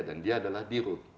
dan dia adalah dirut